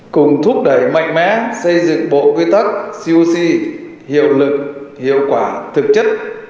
cùng thúc đẩy mạnh mẽ xây dựng bộ quy tắc siêu si hiệu lực hiệu quả thực chất